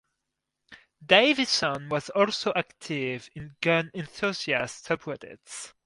Davison was also active in gun enthusiast subreddits.